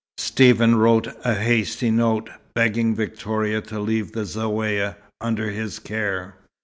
Stephen wrote a hasty note, begging Victoria to leave the Zaouïa under his care.